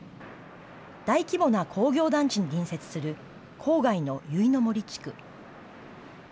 大規模な工業団地に隣接する郊外のゆいの杜地区。